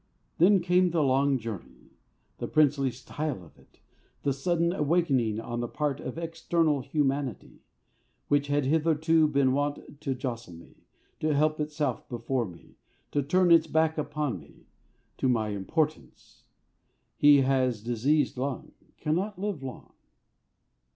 Then came the long journey; the princely style of it! the sudden awakening on the part of external humanity, which had hitherto been wont to jostle me, to help itself before me, to turn its back upon me, to my importance. "He has a diseased lung cannot live long"....